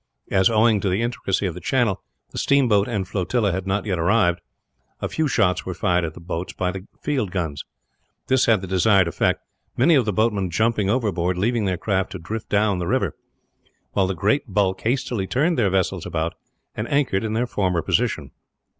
As, owing to the intricacy of the channel, the steamboat and flotilla had not yet arrived, a few shots were fired at the boats by the field guns. This had the desired effect, many of the boatmen jumping overboard, leaving their craft to drift down the river; while the great bulk hastily turned their vessels about, and anchored in their former position.